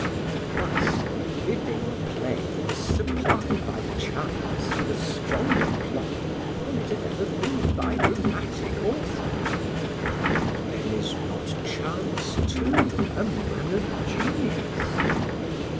Thus, the living play was supplied by Chance with a stronger plot than it had ever been by dramatic author! But then is not Chance too, a man of genius?